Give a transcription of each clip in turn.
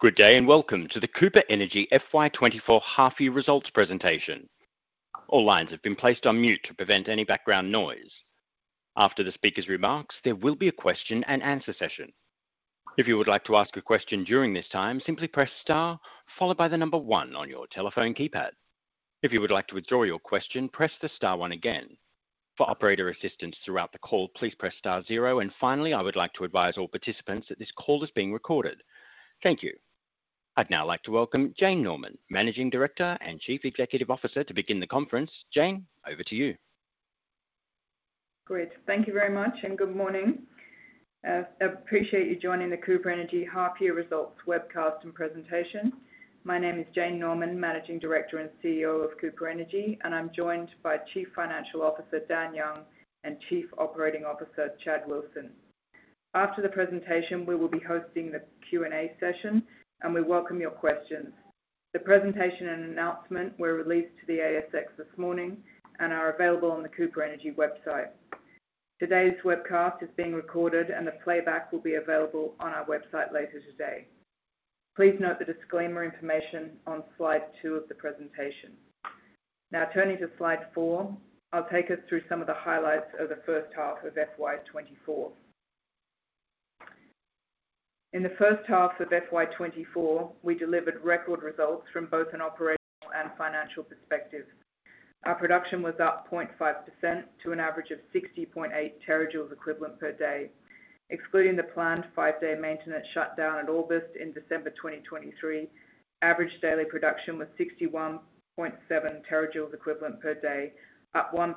Good day and welcome to the Cooper Energy FY24 Half-year Results Presentation. All lines have been placed on mute to prevent any background noise. After the speaker's remarks, there will be a question-and-answer session. If you would like to ask a question during this time, simply press star followed by the number one on your telephone keypad. If you would like to withdraw your question, press the star one again. For operator assistance throughout the call, please press star zero. And finally, I would like to advise all participants that this call is being recorded. Thank you. I'd now like to welcome Jane Norman, Managing Director and Chief Executive Officer, to begin the conference. Jane, over to you. Great. Thank you very much and good morning. I appreciate you joining the Cooper Energy half-year results webcast and presentation. My name is Jane Norman, Managing Director and CEO of Cooper Energy, and I'm joined by Chief Financial Officer Dan Young and Chief Operating Officer Chad Wilson. After the presentation, we will be hosting the Q&A session, and we welcome your questions. The presentation and announcement were released to the ASX this morning and are available on the Cooper Energy website. Today's webcast is being recorded, and the playback will be available on our website later today. Please note the disclaimer information on slide two of the presentation. Now turning to slide 4, I'll take us through some of the highlights of the first half of FY24. In the first half of FY24, we delivered record results from both an operational and financial perspective. Our production was up 0.5% to an average of 60.8 terajoules equivalent per day. Excluding the planned five-day maintenance shutdown at Athena in December 2023, average daily production was 61.7 terajoules equivalent per day, up 1%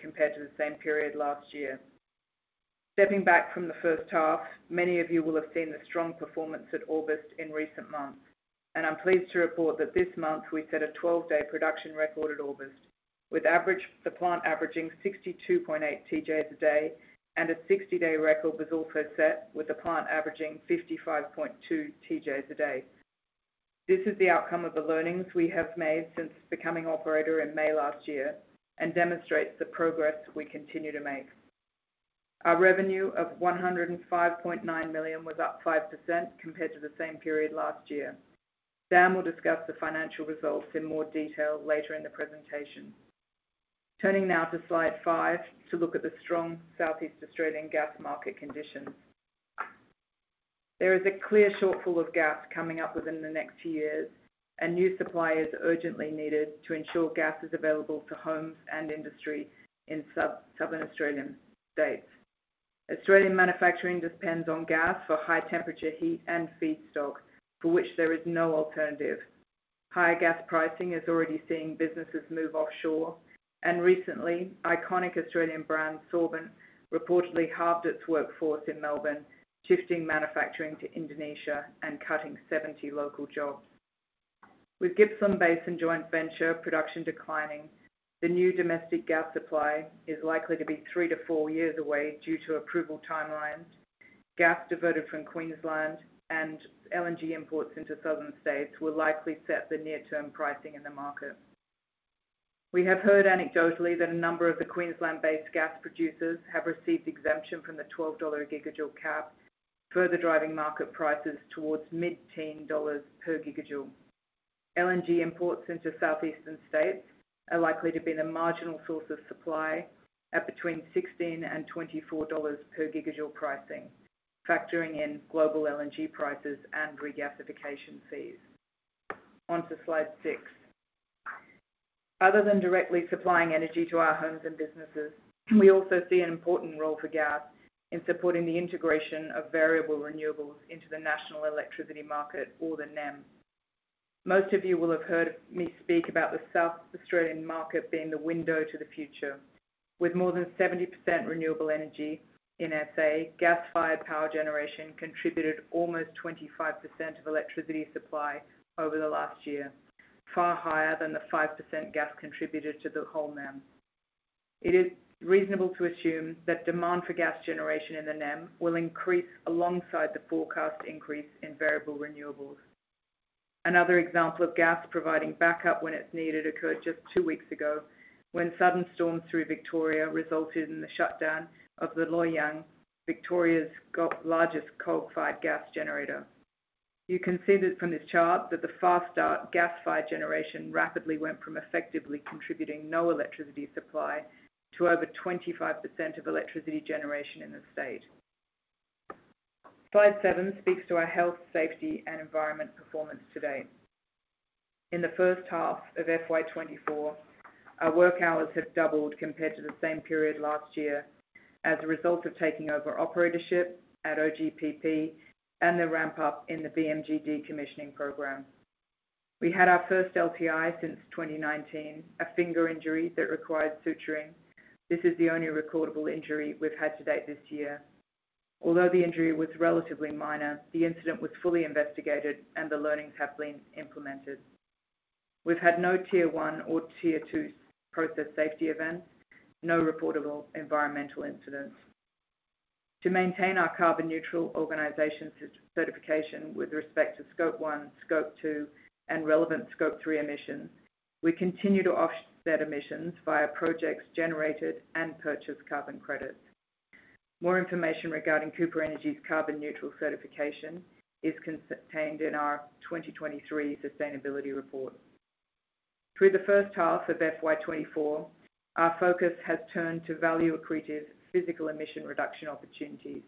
compared to the same period last year. Stepping back from the first half, many of you will have seen the strong performance at Athena in recent months, and I'm pleased to report that this month we set a 12-day production record at Athena, with the plant averaging 62.8 TJs a day, and a 60-day record was also set with the plant averaging 55.2 TJs a day. This is the outcome of the learnings we have made since becoming operator in May last year and demonstrates the progress we continue to make. Our revenue of 105.9 million was up 5% compared to the same period last year. Dan will discuss the financial results in more detail later in the presentation. Turning now to slide five to look at the strong south-east Australian gas market conditions. There is a clear shortfall of gas coming up within the next few years, and new supply is urgently needed to ensure gas is available to homes and industry in southern Australian states. Australian manufacturing depends on gas for high-temperature heat and feedstock, for which there is no alternative. Higher gas pricing is already seeing businesses move offshore, and recently, iconic Australian brand Sorbent reportedly halved its workforce in Melbourne, shifting manufacturing to Indonesia and cutting 70 local jobs. With Gippsland Basin and joint venture production declining, the new domestic gas supply is likely to be three-four years away due to approval timelines. Gas diverted from Queensland and LNG imports into southern states will likely set the near-term pricing in the market. We have heard anecdotally that a number of the Queensland-based gas producers have received exemption from the 12 dollar a gigajoule cap, further driving market prices towards mid-teen dollars per gigajoule. LNG imports into southeastern states are likely to be the marginal source of supply at between 16 and 24 dollars per gigajoule pricing, factoring in global LNG prices and regasification fees. Onto slide six. Other than directly supplying energy to our homes and businesses, we also see an important role for gas in supporting the integration of variable renewables into the national electricity market, or the NEM. Most of you will have heard me speak about the South Australian market being the window to the future. With more than 70% renewable energy in SA, gas-fired power generation contributed almost 25% of electricity supply over the last year, far higher than the 5% gas contributed to the whole NEM. It is reasonable to assume that demand for gas generation in the NEM will increase alongside the forecast increase in variable renewables. Another example of gas providing backup when it's needed occurred just two weeks ago when sudden storms through Victoria resulted in the shutdown of the Loy Yang, Victoria's largest coal-fired gas generator. You can see from this chart that the fast-start gas-fired generation rapidly went from effectively contributing no electricity supply to over 25% of electricity generation in the state. Slide 7 speaks to our health, safety, and environment performance to date. In the first half of FY2024, our work hours have doubled compared to the same period last year as a result of taking over operatorship at OGPP and the ramp-up in the BMG decommissioning program. We had our first LTI since 2019, a finger injury that required suturing. This is the only recordable injury we've had to date this year. Although the injury was relatively minor, the incident was fully investigated, and the learnings have been implemented. We've had no tier one or tier two process safety events, no reportable environmental incidents. To maintain our carbon-neutral organization certification with respect to scope one, scope two, and relevant scope three emissions, we continue to offset emissions via projects generated and purchased carbon credits. More information regarding Cooper Energy's carbon-neutral certification is contained in our 2023 sustainability report. Through the first half of FY24, our focus has turned to value-accretive physical emission reduction opportunities.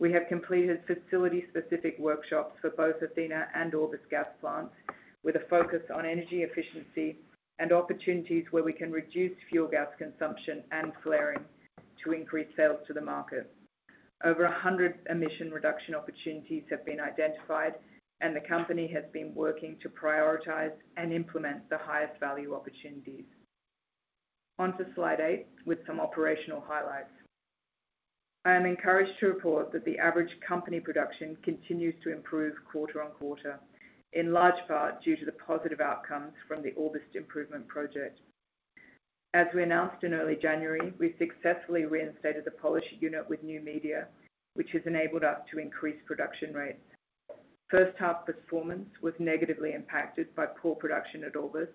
We have completed facility-specific workshops for both Athena and Orbost gas plants with a focus on energy efficiency and opportunities where we can reduce fuel gas consumption and flaring to increase sales to the market. Over 100 emission reduction opportunities have been identified, and the company has been working to prioritize and implement the highest value opportunities. Onto slide 8 with some operational highlights. I am encouraged to report that the average company production continues to improve quarter-on-quarter, in large part due to the positive outcomes from the Orbost improvement project. As we announced in early January, we successfully reinstated the polishing unit with new media, which has enabled us to increase production rates. First-half performance was negatively impacted by poor production at Orbost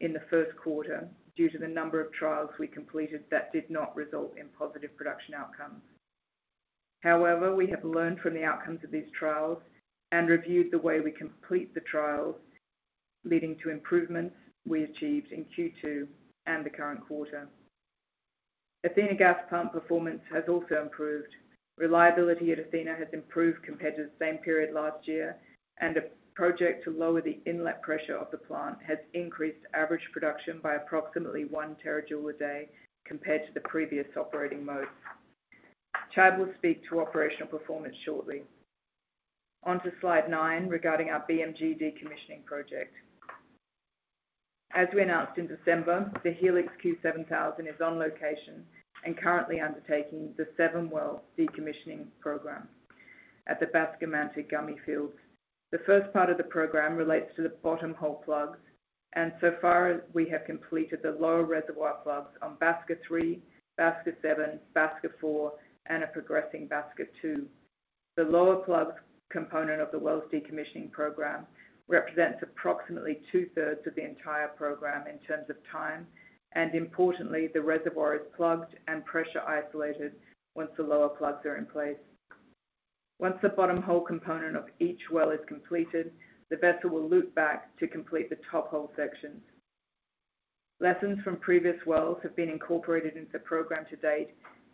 in the first quarter due to the number of trials we completed that did not result in positive production outcomes. However, we have learned from the outcomes of these trials and reviewed the way we complete the trials, leading to improvements we achieved in Q2 and the current quarter. Athena Gas Plant performance has also improved. Reliability at Athena has improved compared to the same period last year, and a project to lower the inlet pressure of the plant has increased average production by approximately one terajoule a day compared to the previous operating modes. Chad will speak to operational performance shortly. Onto slide 9 regarding our BMG decommissioning project. As we announced in December, the Helix Q7000 is on location and currently undertaking the seven-well decommissioning program at the Basker Manta Gummy Fields. The first part of the program relates to the bottom hole plugs, and so far we have completed the lower reservoir plugs on Basker 3, Basker 7, Basker 4, and a progressing Basker 2. The lower plugs component of the wells decommissioning program represents approximately two-thirds of the entire program in terms of time, and importantly, the reservoir is plugged and pressure isolated once the lower plugs are in place. Once the bottom hole component of each well is completed, the vessel will loop back to complete the top hole sections. Lessons from previous wells have been incorporated into the program to date,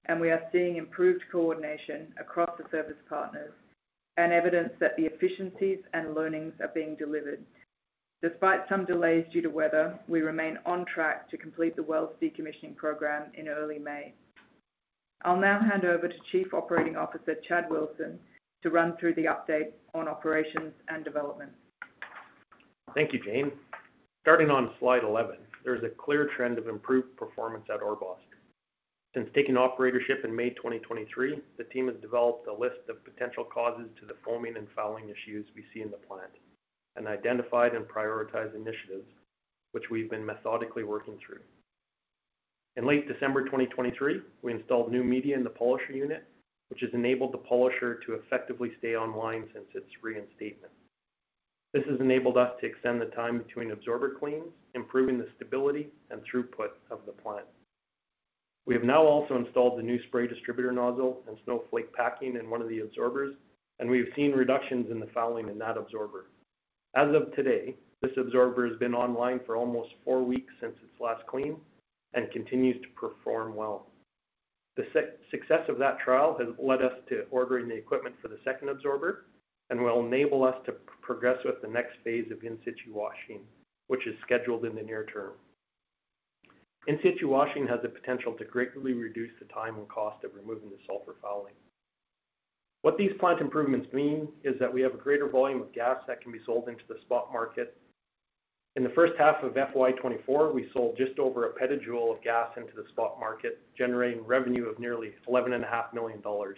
and we are seeing improved coordination across the service partners and evidence that the efficiencies and learnings are being delivered. Despite some delays due to weather, we remain on track to complete the wells decommissioning program in early May. I'll now hand over to Chief Operating Officer Chad Wilson to run through the update on operations and developments. Thank you, Jane. Starting on slide 11, there is a clear trend of improved performance at Orbost. Since taking operatorship in May 2023, the team has developed a list of potential causes to the foaming and fouling issues we see in the plant and identified and prioritized initiatives, which we've been methodically working through. In late December 2023, we installed new media in the polisher unit, which has enabled the polisher to effectively stay online since its reinstatement. This has enabled us to extend the time between absorber cleans, improving the stability and throughput of the plant. We have now also installed the new spray distributor nozzle and snowflake packing in one of the absorbers, and we have seen reductions in the fouling in that absorber. As of today, this absorber has been online for almost four weeks since its last clean and continues to perform well. The success of that trial has led us to ordering the equipment for the second absorber, and will enable us to progress with the next phase of in-situ washing, which is scheduled in the near term. In-situ washing has the potential to greatly reduce the time and cost of removing the sulfur fouling. What these plant improvements mean is that we have a greater volume of gas that can be sold into the spot market. In the first half of FY2024, we sold just over a petajoule of gas into the spot market, generating revenue of nearly 11.5 million dollars.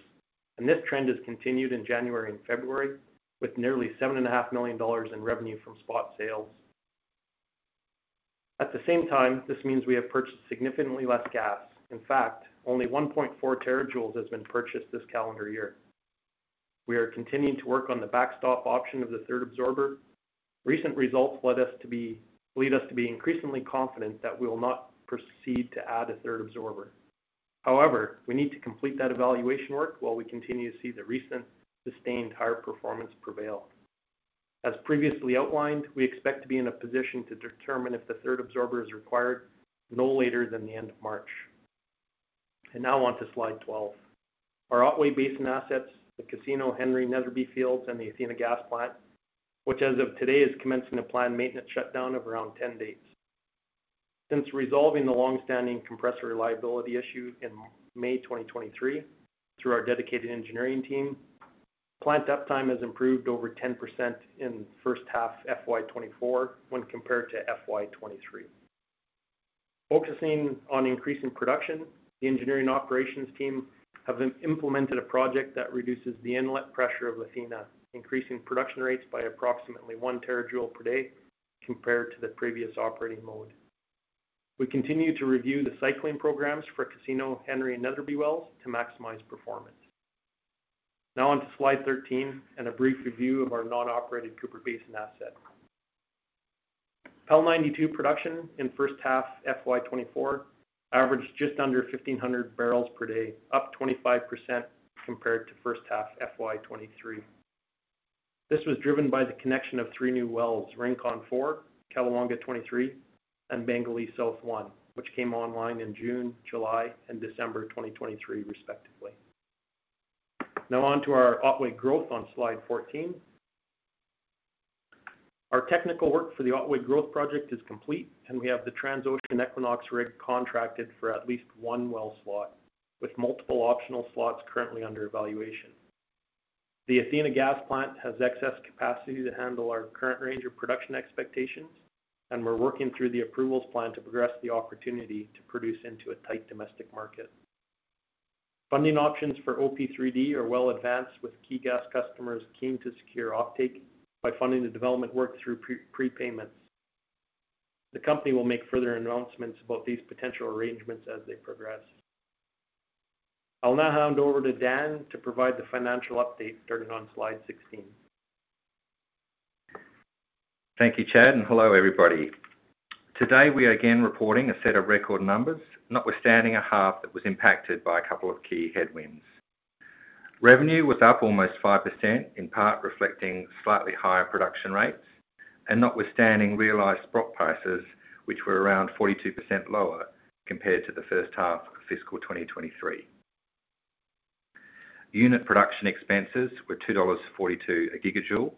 This trend has continued in January and February with nearly 7.5 million dollars in revenue from spot sales. At the same time, this means we have purchased significantly less gas. In fact, only 1.4 terajoules has been purchased this calendar year. We are continuing to work on the backstop option of the third absorber. Recent results led us to be increasingly confident that we will not proceed to add a third absorber. However, we need to complete that evaluation work while we continue to see the recent sustained higher performance prevail. As previously outlined, we expect to be in a position to determine if the third absorber is required no later than the end of March. Now onto slide 12. Our Otway Basin assets, the Casino Henry Netherby Fields, and the Athena Gas Plant, which as of today is commencing a planned maintenance shutdown of around 10 days. Since resolving the longstanding compressor reliability issue in May 2023 through our dedicated engineering team, plant uptime has improved over 10% in the first half FY24 when compared to FY23. Focusing on increasing production, the engineering and operations team have implemented a project that reduces the inlet pressure of Athena, increasing production rates by approximately 1 terajoule per day compared to the previous operating mode. We continue to review the cycling programs for Casino Henry Netherby Wells to maximize performance. Now onto slide 13 and a brief review of our non-operated Cooper Basin asset. PEL-92 production in first half FY24 averaged just under 1,500 barrels per day, up 25% compared to first half FY23. This was driven by the connection of three new wells, Rincon 4, Callawonga 23, and Bangle 1, which came online in June, July, and December 2023 respectively. Now onto our Otway growth on slide 14. Our technical work for the Otway growth project is complete, and we have the Transocean Equinox rig contracted for at least one well slot, with multiple optional slots currently under evaluation. The Athena Gas Plant has excess capacity to handle our current range of production expectations, and we're working through the approvals plan to progress the opportunity to produce into a tight domestic market. Funding options for OP3D are well advanced with key gas customers keen to secure offtake by funding the development work through prepayments. The company will make further announcements about these potential arrangements as they progress. I'll now hand over to Dan to provide the financial update starting on slide 16. Thank you, Chad, and hello everybody. Today we are again reporting a set of record numbers, notwithstanding a half that was impacted by a couple of key headwinds. Revenue was up almost 5%, in part reflecting slightly higher production rates, and notwithstanding realized spot prices, which were around 42% lower compared to the first half of fiscal 2023. Unit production expenses were $2.42 a gigajoule,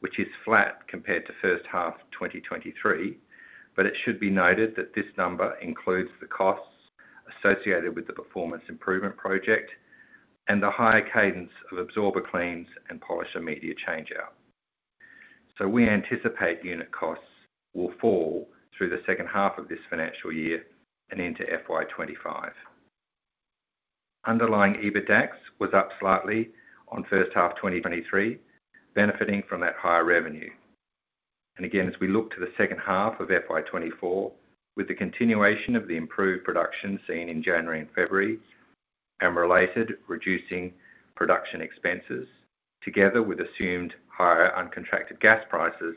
which is flat compared to first half 2023, but it should be noted that this number includes the costs associated with the performance improvement project and the higher cadence of absorber cleans and polisher media changeout. So we anticipate unit costs will fall through the second half of this financial year and into FY25. Underlying EBITDA was up slightly on first half 2023, benefiting from that higher revenue. Again, as we look to the second half of FY24, with the continuation of the improved production seen in January and February and related reducing production expenses together with assumed higher uncontracted gas prices,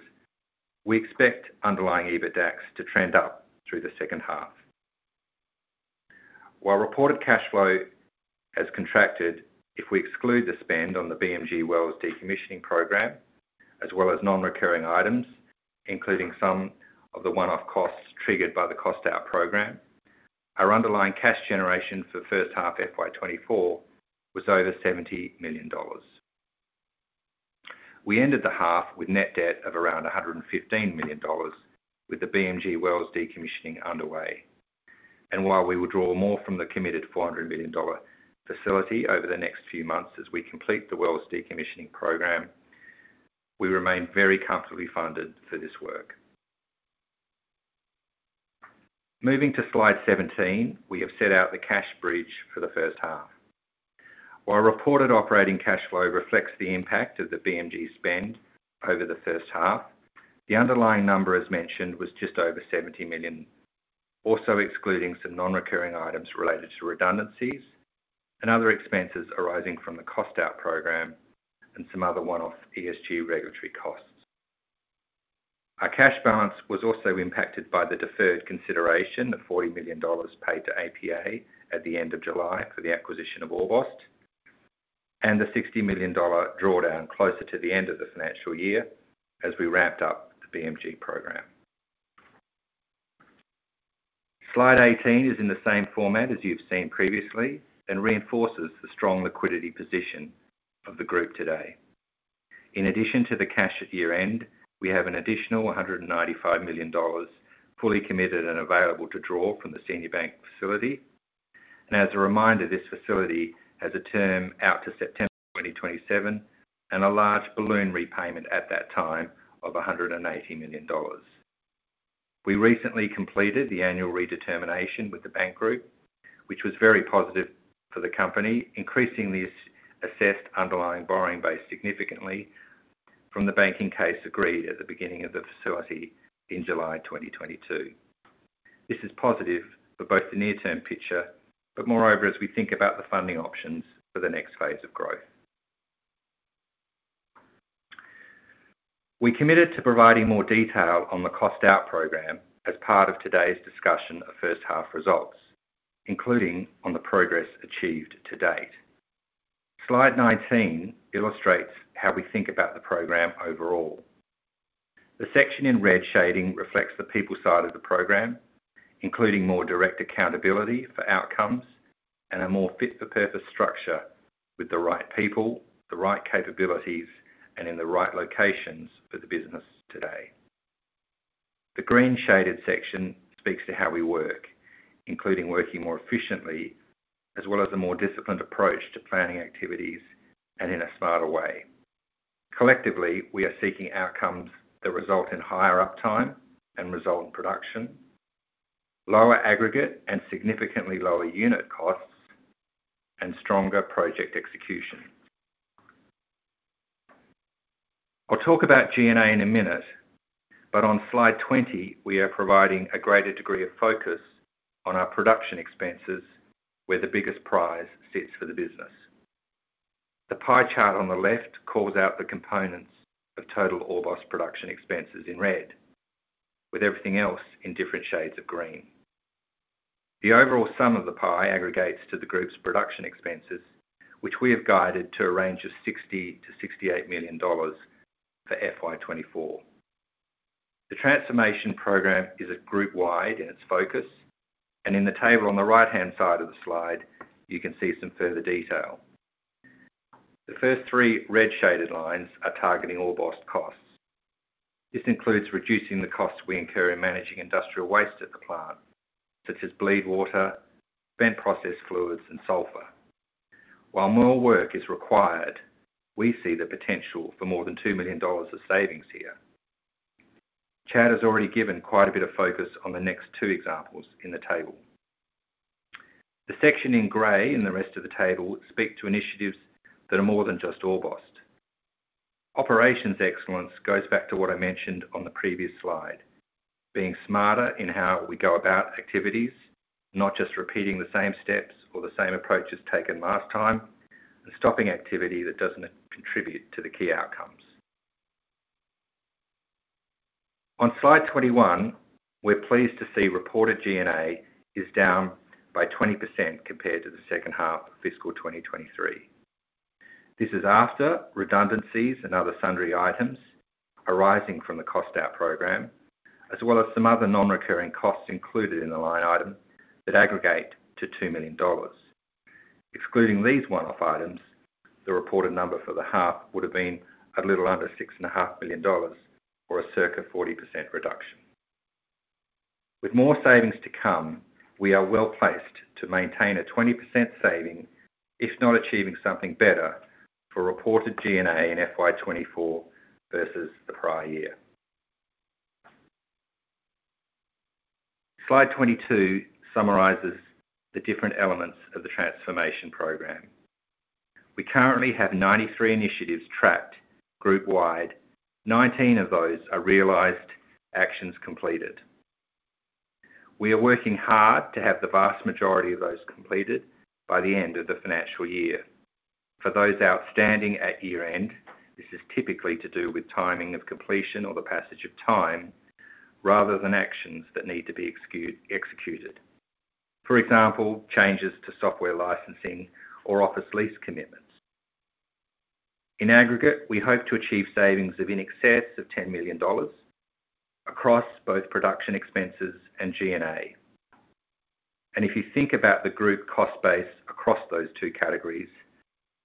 we expect underlying EBITDA to trend up through the second half. While reported cash flow has contracted if we exclude the spend on the BMG wells decommissioning program as well as non-recurring items, including some of the one-off costs triggered by the cost out program, our underlying cash generation for first half FY24 was over 70 million dollars. We ended the half with net debt of around 115 million dollars with the BMG wells decommissioning underway. And while we withdraw more from the committed 400 million dollar facility over the next few months as we complete the wells decommissioning program, we remain very comfortably funded for this work. Moving to slide 17, we have set out the cash bridge for the first half. While reported operating cash flow reflects the impact of the BMG spend over the first half, the underlying number, as mentioned, was just over 70 million, also excluding some non-recurring items related to redundancies and other expenses arising from the cost out program and some other one-off ESG regulatory costs. Our cash balance was also impacted by the deferred consideration of 40 million dollars paid to APA at the end of July for the acquisition of Orbost and the 60 million dollar drawdown closer to the end of the financial year as we ramped up the BMG program. Slide 18 is in the same format as you've seen previously and reinforces the strong liquidity position of the group today. In addition to the cash at year-end, we have an additional $195 million fully committed and available to draw from the senior bank facility. As a reminder, this facility has a term out to September 2027 and a large balloon repayment at that time of $180 million. We recently completed the annual redetermination with the bank group, which was very positive for the company, increasing the assessed underlying borrowing base significantly from the banking case agreed at the beginning of the facility in July 2022. This is positive for both the near-term picture, but moreover, as we think about the funding options for the next phase of growth. We committed to providing more detail on the cost out program as part of today's discussion of first-half results, including on the progress achieved to date. Slide 19 illustrates how we think about the program overall. The section in red shading reflects the people side of the program, including more direct accountability for outcomes and a more fit-for-purpose structure with the right people, the right capabilities, and in the right locations for the business today. The green shaded section speaks to how we work, including working more efficiently as well as a more disciplined approach to planning activities and in a smarter way. Collectively, we are seeking outcomes that result in higher uptime and result in production, lower aggregate and significantly lower unit costs, and stronger project execution. I'll talk about G&A in a minute, but on slide 20, we are providing a greater degree of focus on our production expenses where the biggest prize sits for the business. The pie chart on the left calls out the components of total Orbost production expenses in red, with everything else in different shades of green. The overall sum of the pie aggregates to the group's production expenses, which we have guided to a range of 60 million-68 million dollars for FY24. The transformation program is group-wide in its focus, and in the table on the right-hand side of the slide, you can see some further detail. The first three red shaded lines are targeting Orbost costs. This includes reducing the costs we incur in managing industrial waste at the plant, such as bleed water, vent process fluids, and sulfur. While more work is required, we see the potential for more than 2 million dollars of savings here. Chad has already given quite a bit of focus on the next two examples in the table. The section in grey in the rest of the table speaks to initiatives that are more than just Orbost. Operations excellence goes back to what I mentioned on the previous slide, being smarter in how we go about activities, not just repeating the same steps or the same approaches taken last time, and stopping activity that doesn't contribute to the key outcomes. On slide 21, we're pleased to see reported G&A is down by 20% compared to the second half of fiscal 2023. This is after redundancies and other sundry items arising from the cost out program, as well as some other non-recurring costs included in the line item that aggregate to 2 million dollars. Excluding these one-off items, the reported number for the half would have been a little under 6.5 million dollars or a circa 40% reduction. With more savings to come, we are well placed to maintain a 20% saving, if not achieving something better, for reported G&A in FY24 versus the prior year. Slide 22 summarizes the different elements of the transformation program. We currently have 93 initiatives tracked group-wide. 19 of those are realized actions completed. We are working hard to have the vast majority of those completed by the end of the financial year. For those outstanding at year-end, this is typically to do with timing of completion or the passage of time rather than actions that need to be executed. For example, changes to software licensing or office lease commitments. In aggregate, we hope to achieve savings in excess of $10 million across both production expenses and G&A. And if you think about the group cost base across those two categories,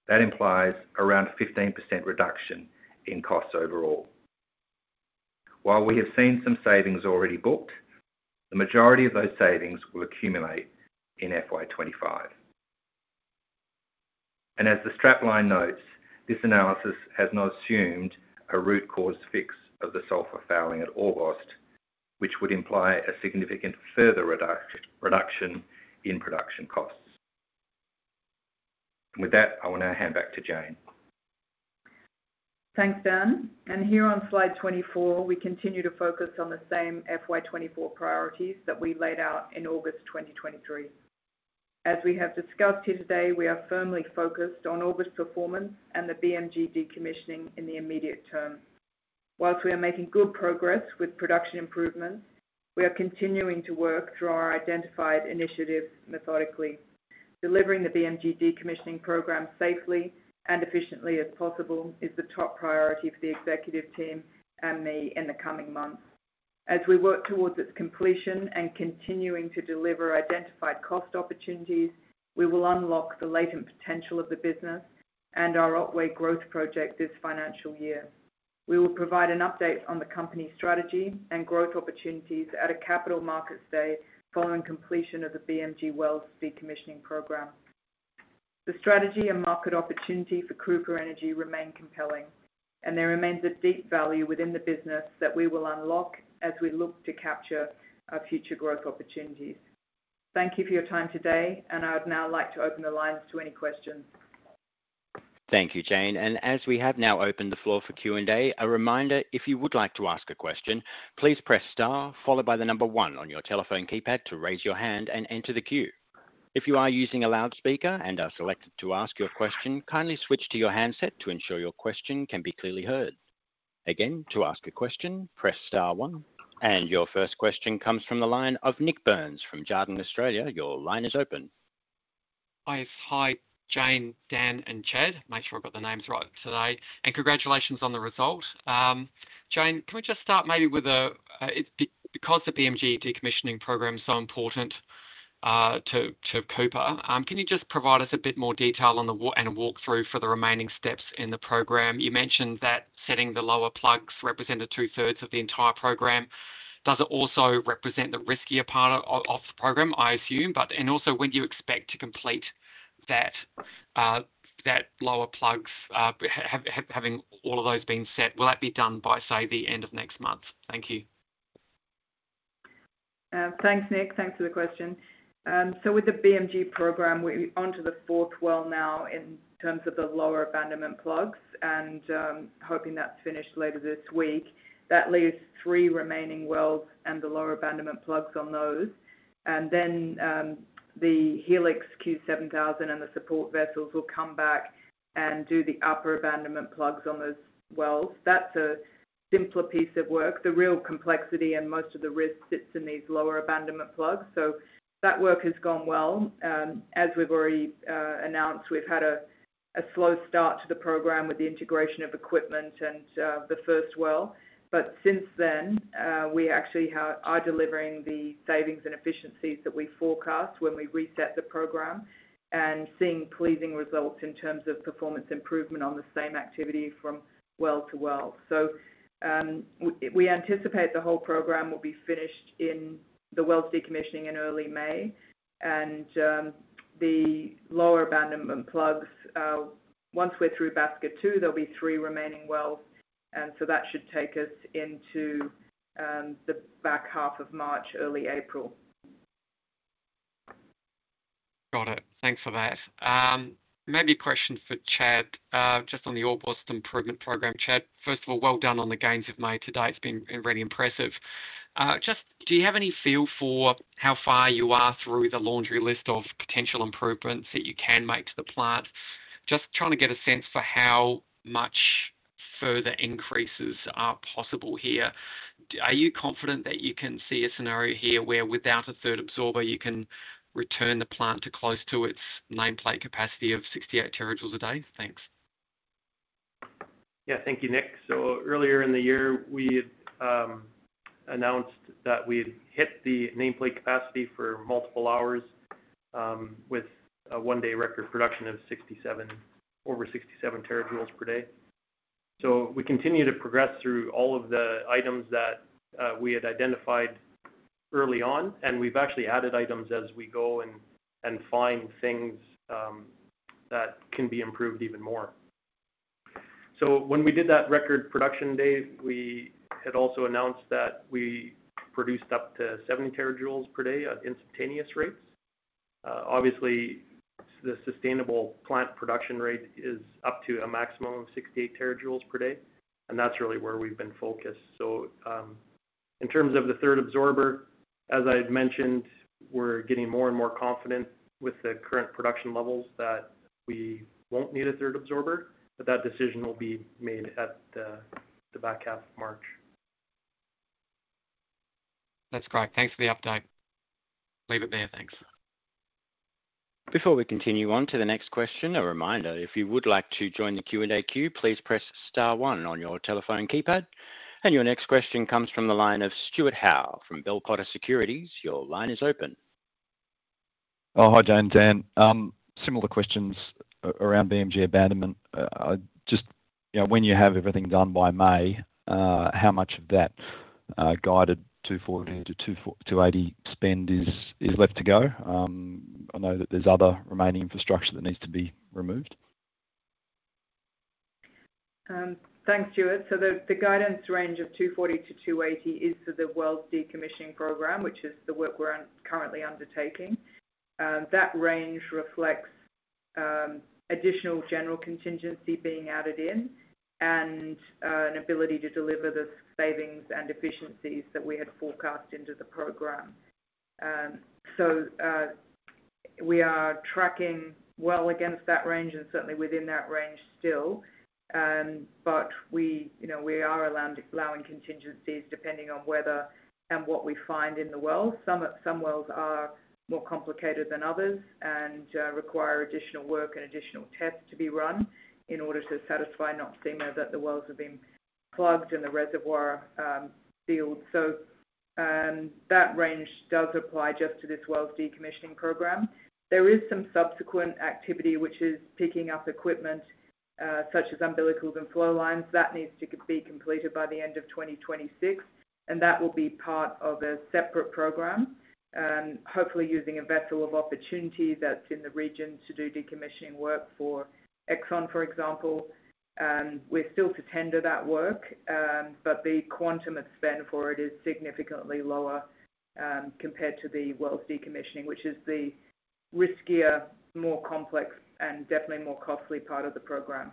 that implies around a 15% reduction in costs overall. While we have seen some savings already booked, the majority of those savings will accumulate in FY25. As the strap line notes, this analysis has not assumed a root cause fix of the sulfur fouling at Orbost, which would imply a significant further reduction in production costs. With that, I will now hand back to Jane. Thanks, Dan. Here on slide 24, we continue to focus on the same FY24 priorities that we laid out in August 2023. As we have discussed here today, we are firmly focused on August performance and the BMG decommissioning in the immediate term. While we are making good progress with production improvements, we are continuing to work through our identified initiatives methodically. Delivering the BMG decommissioning program safely and efficiently as possible is the top priority for the executive team and me in the coming months. As we work towards its completion and continuing to deliver identified cost opportunities, we will unlock the latent potential of the business and our Otway growth project this financial year. We will provide an update on the company's strategy and growth opportunities at a capital markets day following completion of the BMG Wells decommissioning program. The strategy and market opportunity for Cooper Energy remain compelling, and there remains a deep value within the business that we will unlock as we look to capture future growth opportunities. Thank you for your time today, and I would now like to open the lines to any questions. Thank you, Jane. And as we have now opened the floor for Q&A, a reminder, if you would like to ask a question, please press star, followed by the number one on your telephone keypad to raise your hand and enter the queue. If you are using a loudspeaker and are selected to ask your question, kindly switch to your handset to ensure your question can be clearly heard. Again, to ask a question, press star one. And your first question comes from the line of Nik Burns from Jarden Australia. Your line is open. Hi. Hi, Jane, Dan, and Chad. Make sure I've got the names right today. Congratulations on the result. Jane, can we just start maybe with, because the BMG decommissioning program is so important to Cooper, can you just provide us a bit more detail and a walkthrough for the remaining steps in the program? You mentioned that setting the lower plugs represented two-thirds of the entire program. Does it also represent the riskier part of the program, I assume? Also, when do you expect to complete that lower plugs? Having all of those been set, will that be done by, say, the end of next month? Thank you. Thanks, Nik. Thanks for the question. So with the BMG program, we're onto the 4th well now in terms of the lower abandonment plugs and hoping that's finished later this week. That leaves three remaining wells and the lower abandonment plugs on those. And then the Helix Q7000 and the support vessels will come back and do the upper abandonment plugs on those wells. That's a simpler piece of work. The real complexity and most of the risk sits in these lower abandonment plugs. So that work has gone well. As we've already announced, we've had a slow start to the program with the integration of equipment and the first well. But since then, I'm delivering the savings and efficiencies that we forecast when we reset the program and seeing pleasing results in terms of performance improvement on the same activity from well to well. We anticipate the whole program will be finished in the wells decommissioning in early May. The lower abandonment plugs, once we're through Basker 2, there'll be 3 remaining wells. That should take us into the back half of March, early April. Got it. Thanks for that. Maybe a question for Chad just on the Orbost improvement program. Chad, first of all, well done on the gains of May today. It's been really impressive. Just do you have any feel for how far you are through the laundry list of potential improvements that you can make to the plant? Just trying to get a sense for how much further increases are possible here. Are you confident that you can see a scenario here where, without a third absorber, you can return the plant to close to its nameplate capacity of 68 terajoules a day? Thanks. Yeah. Thank you, Nik. So earlier in the year, we announced that we had hit the nameplate capacity for multiple hours with a one-day record production of over 67 terajoules per day. So we continue to progress through all of the items that we had identified early on, and we've actually added items as we go and find things that can be improved even more. So when we did that record production day, we had also announced that we produced up to 70 terajoules per day at instantaneous rates. Obviously, the sustainable plant production rate is up to a maximum of 68 terajoules per day, and that's really where we've been focused. So in terms of the third absorber, as I had mentioned, we're getting more and more confident with the current production levels that we won't need a third absorber, but that decision will be made at the back half of March. That's correct. Thanks for the update. Leave it there. Thanks. Before we continue on to the next question, a reminder, if you would like to join the Q&A queue, please press star one on your telephone keypad. And your next question comes from the line of Stuart Howe from Bell Potter Securities. Your line is open. Oh, hi, Jane. Dan, similar questions around BMG abandonment. Just when you have everything done by May, how much of that guided $240-$280 spend is left to go? I know that there's other remaining infrastructure that needs to be removed. Thanks, Stuart. The guidance range of 240-280 is for the Wells decommissioning program, which is the work we're currently undertaking. That range reflects additional general contingency being added in and an ability to deliver the savings and efficiencies that we had forecast into the program. We are tracking well against that range and certainly within that range still. But we are allowing contingencies depending on whether and what we find in the wells. Some wells are more complicated than others and require additional work and additional tests to be run in order to satisfy NOPSEMA that the wells have been plugged in the reservoir field. That range does apply just to this Wells decommissioning program. There is some subsequent activity, which is picking up equipment such as umbilicals and flow lines. That needs to be completed by the end of 2026, and that will be part of a separate program, hopefully using a vessel of opportunity that's in the region to do decommissioning work for Exxon, for example. We're still to tender that work, but the quantum of spend for it is significantly lower compared to the Wells decommissioning, which is the riskier, more complex, and definitely more costly part of the program.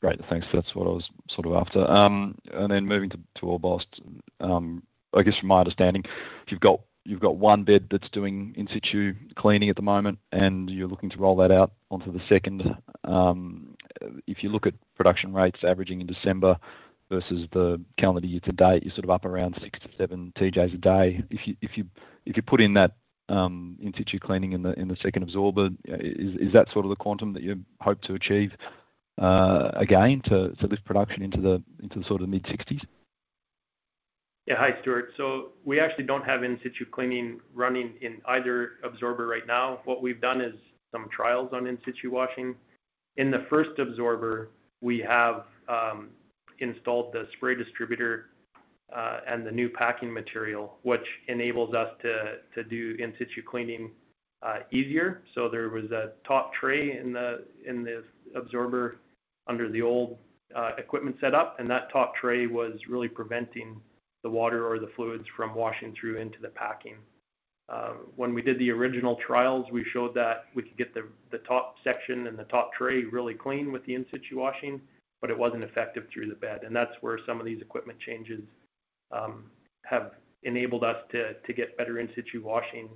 Great. Thanks. That's what I was sort of after. And then moving to Orbost, I guess from my understanding, you've got one bed that's doing in-situ cleaning at the moment, and you're looking to roll that out onto the second. If you look at production rates averaging in December versus the calendar year to date, you're sort of up around six-seven TJs a day. If you put in that in-situ cleaning in the second absorber, is that sort of the quantum that you hope to achieve again to lift production into the sort of mid-60s? Yeah. Hi, Stuart. So we actually don't have in-situ cleaning running in either absorber right now. What we've done is some trials on in-situ washing. In the first absorber, we have installed the spray distributor and the new packing material, which enables us to do in-situ cleaning easier. So there was a top tray in the absorber under the old equipment setup, and that top tray was really preventing the water or the fluids from washing through into the packing. When we did the original trials, we showed that we could get the top section and the top tray really clean with the in-situ washing, but it wasn't effective through the bed. And that's where some of these equipment changes have enabled us to get better in-situ washing,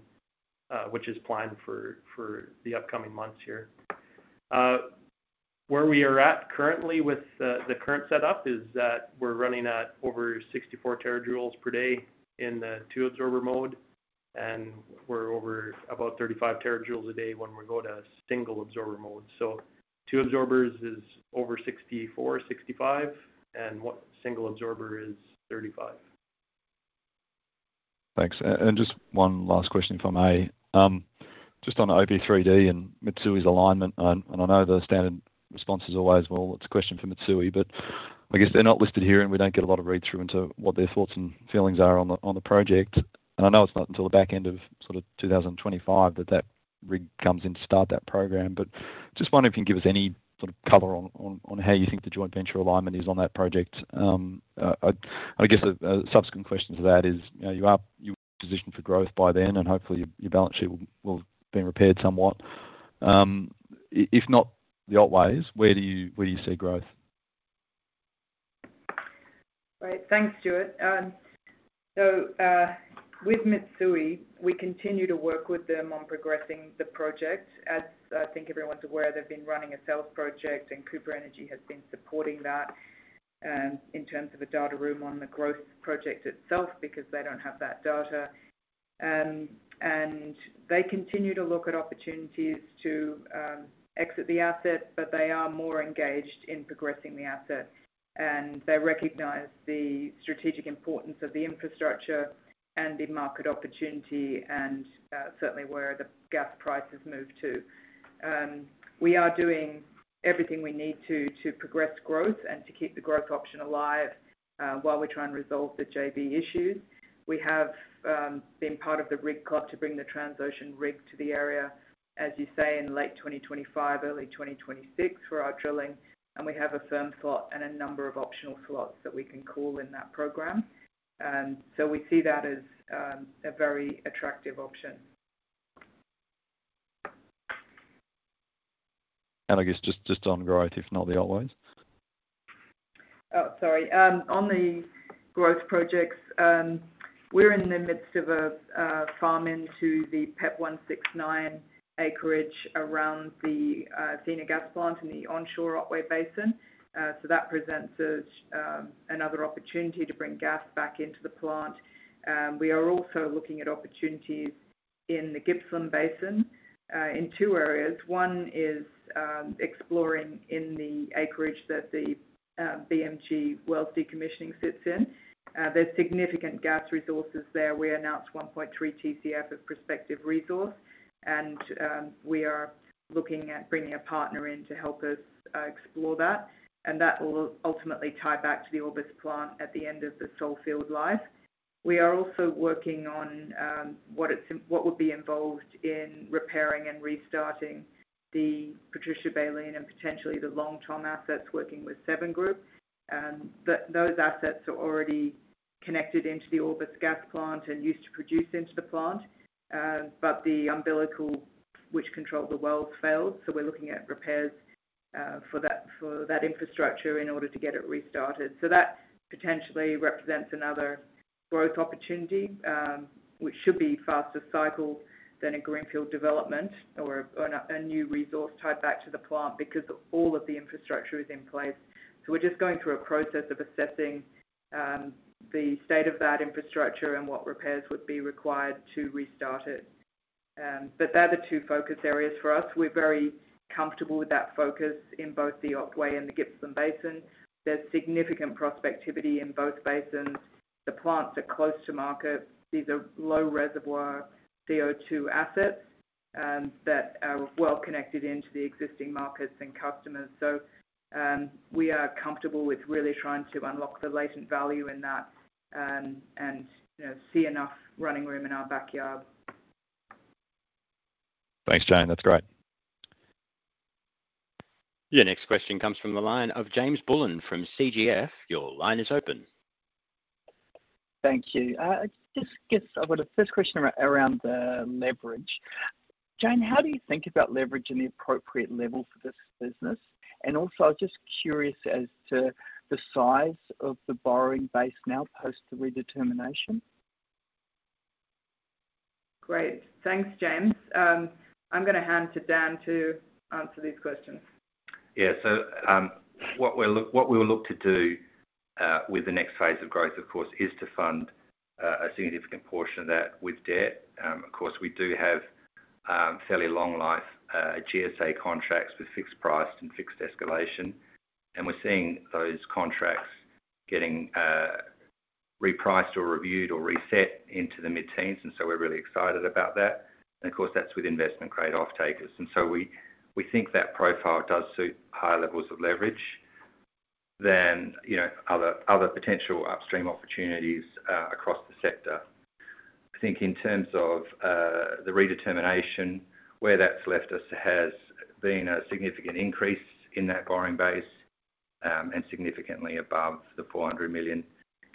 which is planned for the upcoming months here. Where we are at currently with the current setup is that we're running at over 64 terajoules per day in the two-absorber mode, and we're over about 35 terajoules a day when we go to single-absorber mode. So two absorbers is over 64, 65, and single absorber is 35. Thanks. And just one last question from me. Just on OP3D and Mitsui's alignment, and I know the standard response is always, "Well, it's a question for Mitsui." But I guess they're not listed here, and we don't get a lot of read-through into what their thoughts and feelings are on the project. And I know it's not until the back end of sort of 2025 that that rig comes in to start that program. But just wondering if you can give us any sort of color on how you think the joint venture alignment is on that project. I guess a subsequent question to that is, you're positioned for growth by then, and hopefully, your balance sheet will have been repaired somewhat. If not the old ways, where do you see growth? Great. Thanks, Stuart. So with Mitsui, we continue to work with them on progressing the project. As I think everyone's aware, they've been running a sales project, and Cooper Energy has been supporting that in terms of a data room on the growth project itself because they don't have that data. And they continue to look at opportunities to exit the asset, but they are more engaged in progressing the asset. And they recognize the strategic importance of the infrastructure and the market opportunity and certainly where the gas prices move to. We are doing everything we need to progress growth and to keep the growth option alive while we try and resolve the JB issues. We have been part of the rig club to bring the Transocean rig to the area, as you say, in late 2025, early 2026 for our drilling. We have a firm slot and a number of optional slots that we can call in that program. We see that as a very attractive option. I guess just on growth, if not the old ways? Oh, sorry. On the growth projects, we're in the midst of a farm-in to the PEP169 acreage around the Athena gas plant in the onshore Otway Basin. So that presents another opportunity to bring gas back into the plant. We are also looking at opportunities in the Gippsland Basin in two areas. One is exploring in the acreage that the BMG wells decommissioning sits in. There's significant gas resources there. We announced 1.3 TCF of prospective resource, and we are looking at bringing a partner in to help us explore that. And that will ultimately tie back to the Orbost plant at the end of the Sole field life. We are also working on what would be involved in repairing and restarting the Patricia Baleen and potentially the Long Tom assets working with Seven Group. Those assets are already connected into the Orbost gas plant and used to produce into the plant, but the umbilical, which controls the wells, failed. So we're looking at repairs for that infrastructure in order to get it restarted. So that potentially represents another growth opportunity, which should be faster cycle than a greenfield development or a new resource tied back to the plant because all of the infrastructure is in place. So we're just going through a process of assessing the state of that infrastructure and what repairs would be required to restart it. But they're the two focus areas for us. We're very comfortable with that focus in both the Otway Basin and the Gippsland Basin. There's significant prospectivity in both basins. The plants are close to market. These are low-reservoir CO2 assets that are well connected into the existing markets and customers. So we are comfortable with really trying to unlock the latent value in that and see enough running room in our backyard. Thanks, Jane. That's great. Yeah. Next question comes from the line of James Bullen from Canaccord Genuity. Your line is open. Thank you. I guess I've got a first question around the leverage. Jane, how do you think about leverage and the appropriate level for this business? And also, I'm just curious as to the size of the borrowing base now post the redetermination. Great. Thanks, James. I'm going to hand to Dan to answer these questions. Yeah. So what we will look to do with the next phase of growth, of course, is to fund a significant portion of that with debt. Of course, we do have fairly long-life GSA contracts with fixed price and fixed escalation. And we're seeing those contracts getting repriced or reviewed or reset into the mid-teens. And so we're really excited about that. And of course, that's with investment-grade off-takers. And so we think that profile does suit higher levels of leverage than other potential upstream opportunities across the sector. I think in terms of the redetermination, where that's left us has been a significant increase in that borrowing base and significantly above the $400 million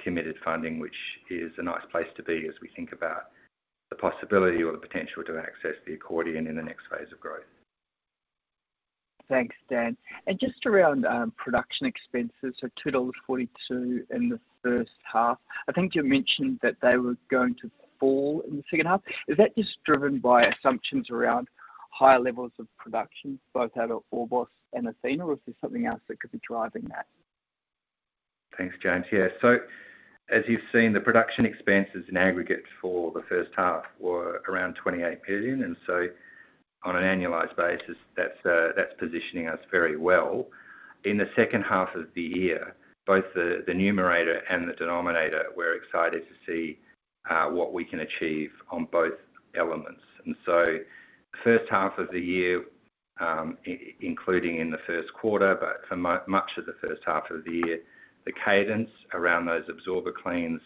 committed funding, which is a nice place to be as we think about the possibility or the potential to access the accordion in the next phase of growth. Thanks, Dan. Just around production expenses for $2.42 in the first half, I think you mentioned that they were going to fall in the second half. Is that just driven by assumptions around higher levels of production both out of Orbost and Athena, or is there something else that could be driving that? Thanks, James. Yeah. So as you've seen, the production expenses in aggregate for the first half were around 28 million. So on an annualized basis, that's positioning us very well. In the second half of the year, both the numerator and the denominator, we're excited to see what we can achieve on both elements. So the first half of the year, including in the first quarter, but for much of the first half of the year, the cadence around those absorber cleans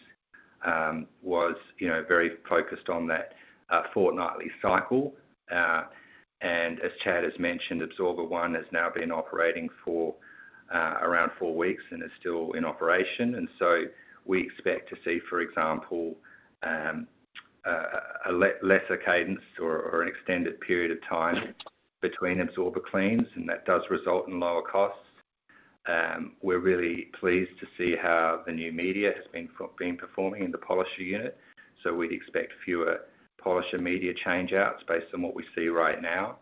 was very focused on that fortnightly cycle. And as Chad has mentioned, absorber one has now been operating for around four weeks and is still in operation. So we expect to see, for example, a lesser cadence or an extended period of time between absorber cleans, and that does result in lower costs. We're really pleased to see how the new media has been performing in the polisher unit. So we'd expect fewer polisher media changeouts based on what we see right now.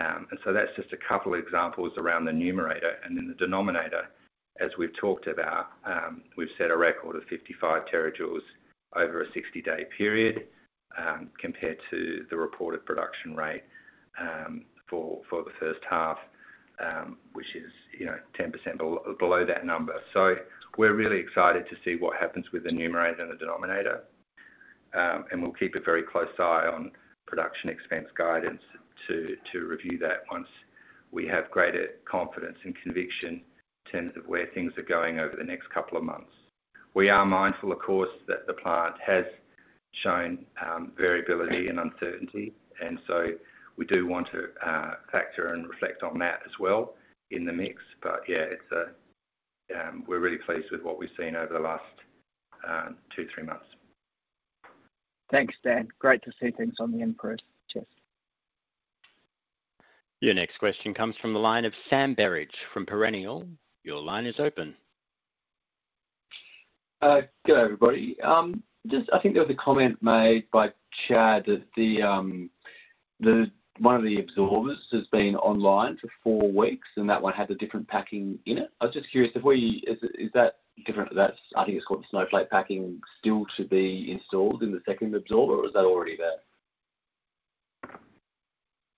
And so that's just a couple of examples around the numerator. And then the denominator, as we've talked about, we've set a record of 55 terajoules over a 60-day period compared to the reported production rate for the first half, which is 10% below that number. So we're really excited to see what happens with the numerator and the denominator. And we'll keep a very close eye on production expense guidance to review that once we have greater confidence and conviction in terms of where things are going over the next couple of months. We are mindful, of course, that the plant has shown variability and uncertainty. And so we do want to factor and reflect on that as well in the mix. But yeah, we're really pleased with what we've seen over the last 2, 3 months. Thanks, Dan. Great to see things on the input. Cheers. Yeah. Next question comes from the line of Sam Berridge from Perennial. Your line is open. Hello, everybody. I think there was a comment made by Chad that one of the absorbers has been online for four weeks, and that one had a different packing in it. I was just curious if I think it's called the snowflake packing still to be installed in the second absorber, or is that already there?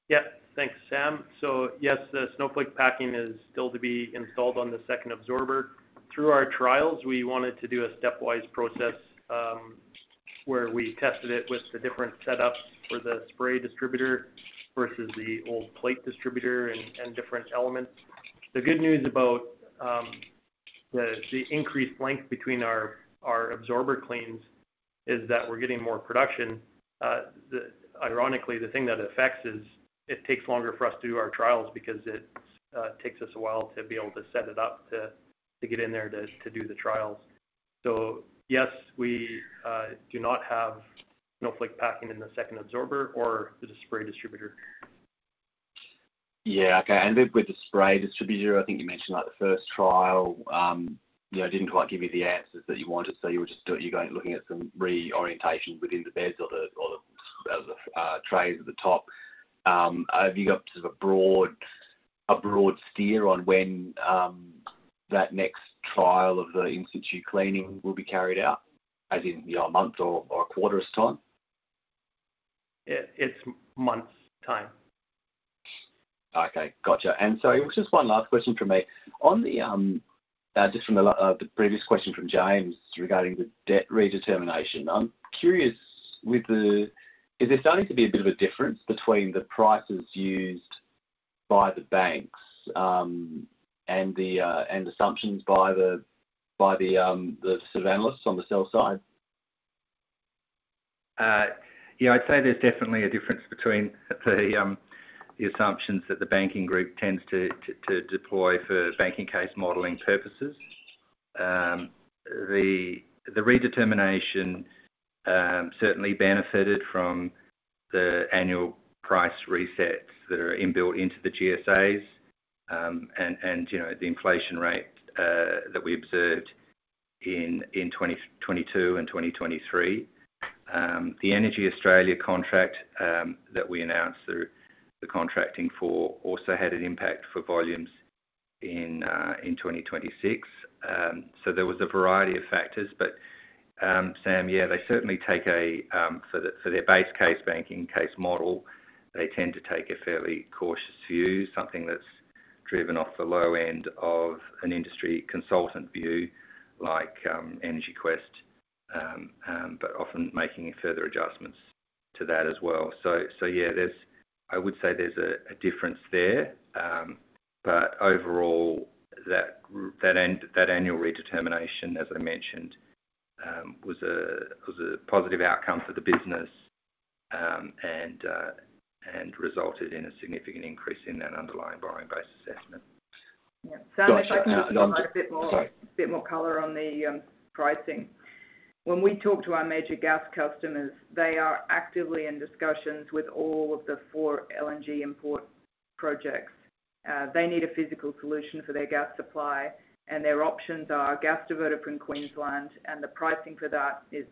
Yep. Thanks, Sam. So yes, the snowflake packing is still to be installed on the second absorber. Through our trials, we wanted to do a stepwise process where we tested it with the different setups for the spray distributor versus the old plate distributor and different elements. The good news about the increased length between our absorber cleans is that we're getting more production. Ironically, the thing that affects is it takes longer for us to do our trials because it takes us a while to be able to set it up to get in there to do the trials. So yes, we do not have snowflake packing in the second absorber or the spray distributor. Yeah. Okay. I ended up with the spray distributor. I think you mentioned the first trial didn't quite give you the answers that you wanted, so you were just looking at some reorientation within the beds or the trays at the top. Have you got sort of a broad steer on when that next trial of the in-situ cleaning will be carried out, as in months or a quarter's time? Yeah. It's months' time. Okay. Gotcha. And so it was just one last question from me. Just from the previous question from James regarding the debt redetermination, I'm curious, is there starting to be a bit of a difference between the prices used by the banks and the assumptions by the sort of analysts on the sell side? Yeah. I'd say there's definitely a difference between the assumptions that the banking group tends to deploy for banking case modelling purposes. The redetermination certainly benefited from the annual price resets that are inbuilt into the GSAs and the inflation rate that we observed in 2022 and 2023. The Energy Australia contract that we announced through the contracting for also had an impact for volumes in 2026. So there was a variety of factors. But Sam, yeah, they certainly take a for their base case banking case model, they tend to take a fairly cautious view, something that's driven off the low end of an industry consultant view like EnergyQuest, but often making further adjustments to that as well. So yeah, I would say there's a difference there. But overall, that annual redetermination, as I mentioned, was a positive outcome for the business and resulted in a significant increase in that underlying borrowing base assessment. Yeah. Sam, if I can just add a bit more color on the pricing. When we talk to our major gas customers, they are actively in discussions with all of the four LNG import projects. They need a physical solution for their gas supply, and their options are gas diverter from Queensland. And the pricing for that is,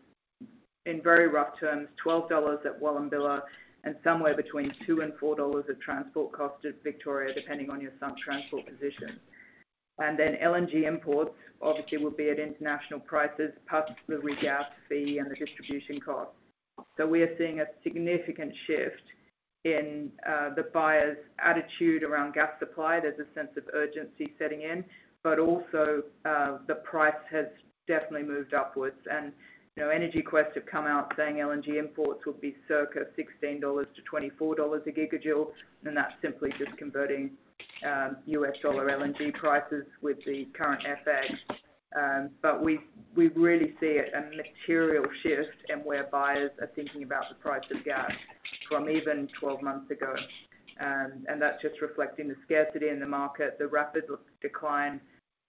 in very rough terms, 12 dollars at Wallumbilla and somewhere between 2-4 dollars of transport cost at Victoria, depending on your sump transport position. And then LNG imports, obviously, will be at international prices plus the regas fee and the distribution cost. So we are seeing a significant shift in the buyer's attitude around gas supply. There's a sense of urgency setting in, but also the price has definitely moved upwards. EnergyQuest have come out saying LNG imports would be circa $16-$24 a gigajoule, and that's simply just converting US dollar LNG prices with the current FX. But we really see a material shift in where buyers are thinking about the price of gas from even 12 months ago. And that's just reflecting the scarcity in the market, the rapid decline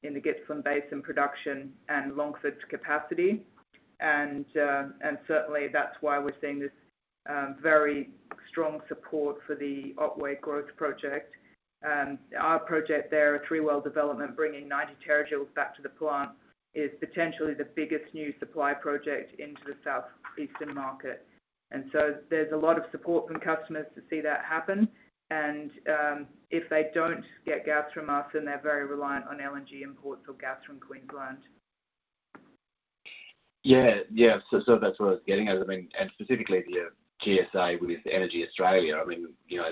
in the Gippsland Basin production and Longford capacity. And certainly, that's why we're seeing this very strong support for the Otway growth project. Our project there, a three-well development bringing 90 terajoules back to the plant, is potentially the biggest new supply project into the southeastern market. And so there's a lot of support from customers to see that happen. And if they don't get gas from us, then they're very reliant on LNG imports or gas from Queensland. Yeah. Yeah. So that's what I was getting at. I mean, and specifically the GSA with Energy Australia, I mean, I'm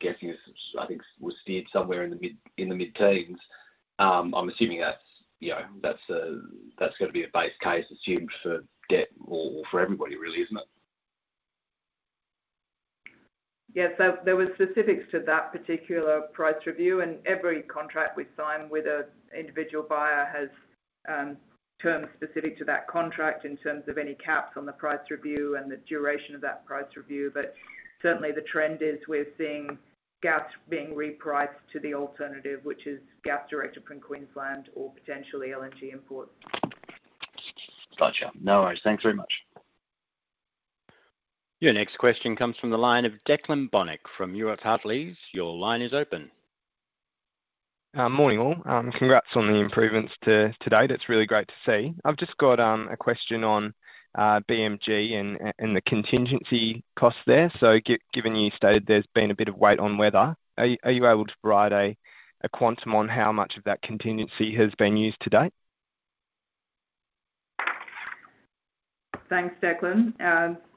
guessing I think was steered somewhere in the mid-teens. I'm assuming that's going to be a base case assumed for debt or for everybody, really, isn't it? Yeah. So there were specifics to that particular price review. And every contract we sign with an individual buyer has terms specific to that contract in terms of any caps on the price review and the duration of that price review. But certainly, the trend is we're seeing gas being repriced to the alternative, which is gas directed from Queensland or potentially LNG imports. Gotcha. No worries. Thanks very much. Yeah. Next question comes from the line of Declan Bortic from Euroz Hartleys. Your line is open. Morning, all. Congrats on the improvements to date. It's really great to see. I've just got a question on BMG and the contingency costs there. So given you stated there's been a bit of wait on weather, are you able to provide a quantum on how much of that contingency has been used to date? Thanks, Declan.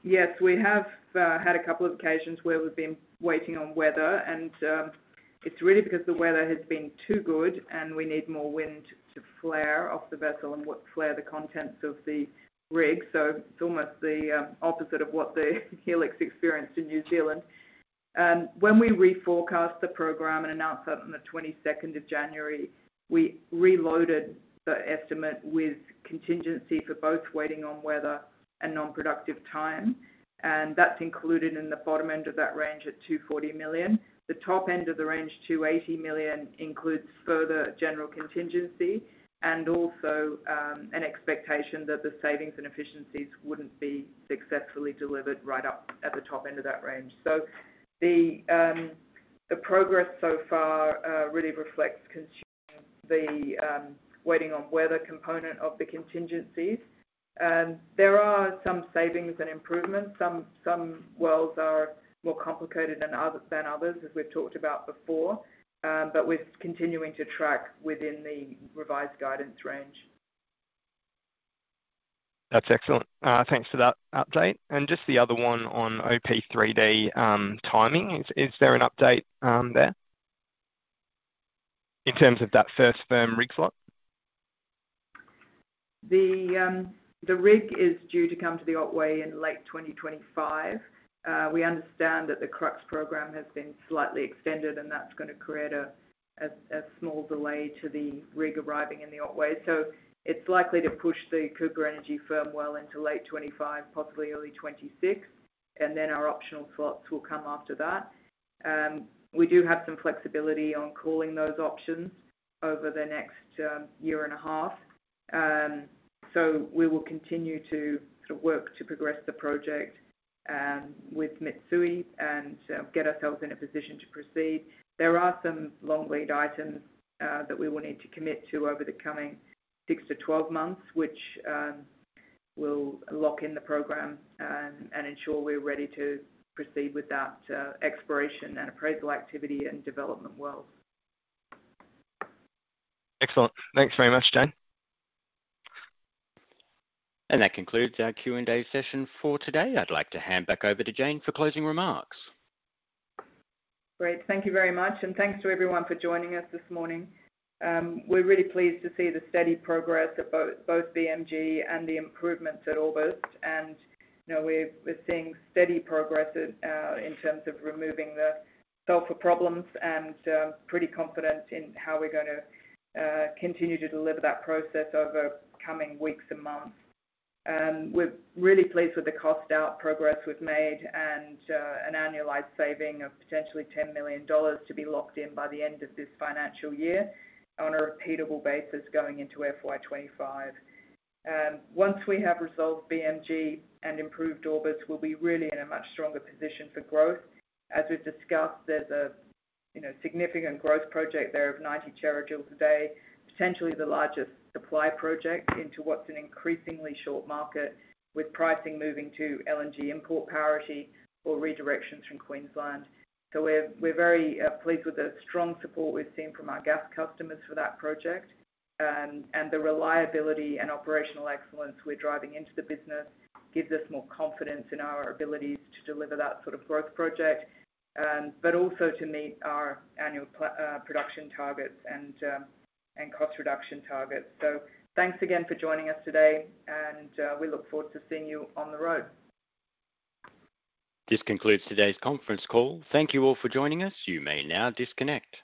Yes, we have had a couple of occasions where we've been waiting on weather. It's really because the weather has been too good, and we need more wind to flare off the vessel and flare the contents of the rig. It's almost the opposite of what the Helix experienced in New Zealand. When we reforecast the program and announced that on the 22nd of January, we reloaded the estimate with contingency for both waiting on weather and non-productive time. That's included in the bottom end of that range at 240 million. The top end of the range, 280 million, includes further general contingency and also an expectation that the savings and efficiencies wouldn't be successfully delivered right up at the top end of that range. The progress so far really reflects the waiting-on-weather component of the contingencies. There are some savings and improvements. Some wells are more complicated than others, as we've talked about before, but we're continuing to track within the revised guidance range. That's excellent. Thanks for that update. And just the other one on OP3D timing, is there an update there in terms of that first firm rig slot? The rig is due to come to the Otway in late 2025. We understand that the Crux program has been slightly extended, and that's going to create a small delay to the rig arriving in the Otway. So it's likely to push the Cooper Energy firm well into late 2025, possibly early 2026, and then our optional slots will come after that. We do have some flexibility on calling those options over the next year and a half. So we will continue to sort of work to progress the project with Mitsui and get ourselves in a position to proceed. There are some long lead items that we will need to commit to over the coming 6-12 months, which will lock in the program and ensure we're ready to proceed with that exploration and appraisal activity and development wells. Excellent. Thanks very much, Jane. That concludes our Q&A session for today. I'd like to hand back over to Jane for closing remarks. Great. Thank you very much. Thanks to everyone for joining us this morning. We're really pleased to see the steady progress of both BMG and the improvements at Orbost. We're seeing steady progress in terms of removing the sulfur problems and pretty confident in how we're going to continue to deliver that process over coming weeks and months. We're really pleased with the cost-out progress we've made and an annualized saving of potentially 10 million dollars to be locked in by the end of this financial year on a repeatable basis going into FY25. Once we have resolved BMG and improved Orbost, we'll be really in a much stronger position for growth. As we've discussed, there's a significant growth project there of 90 terajoule today, potentially the largest supply project into what's an increasingly short market with pricing moving to LNG import parity or redirections from Queensland. We're very pleased with the strong support we've seen from our gas customers for that project. The reliability and operational excellence we're driving into the business gives us more confidence in our abilities to deliver that sort of growth project, but also to meet our annual production targets and cost reduction targets. Thanks again for joining us today, and we look forward to seeing you on the road. This concludes today's conference call. Thank you all for joining us. You may now disconnect.